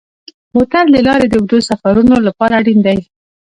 بوتل د لارې د اوږدو سفرونو لپاره اړین دی.